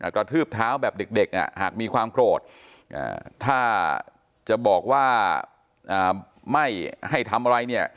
กระทืบเท้าแบบเด็กหากมีความโกรธถ้าจะบอกว่าไม่ให้ทำอะไรเนี่ย